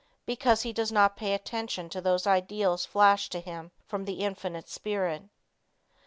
Because he does not pay attention to those ideals flashed to him from the Infinite Spirit.